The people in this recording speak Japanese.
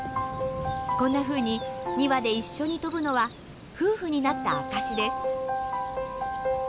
こんなふうに２羽で一緒に飛ぶのは夫婦になった証しです。